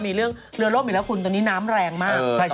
มีเรื่องเรือโลกเหมือนละครตอนนี้น้ำแรงมาก